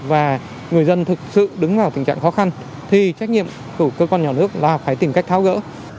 nếu vấn đề này xảy ra và người dân thực sự đứng vào tình trạng khó khăn thì trách nhiệm của cơ quan nhà nước là phải tìm cách tháo gỡ